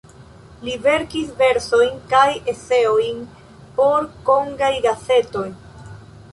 Li verkis versojn kaj eseojn por Kongaj gazetoj.